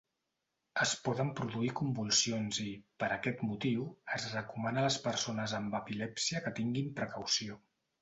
Es poden produir convulsions i, per aquest motiu, es recomana a les persones amb epilèpsia que tinguin precaució.